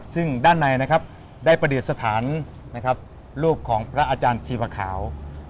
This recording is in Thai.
ซึ่งด้านในได้ประเด็นสถานรูปของพระอาจารย์ชีวข่าว